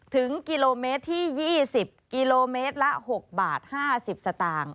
ถึงกิโลเมตรที่๒๐กิโลเมตรละ๖บาท๕๐สตางค์